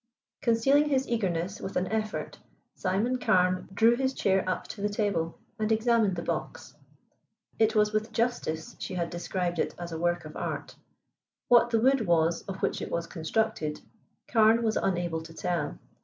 Concealing his eagerness with an effort, Simon Carne drew his chair up to the table, and examined the box. It was with justice she had described it as a work of art. What the wood was of which it was constructed Carne was unable to tell.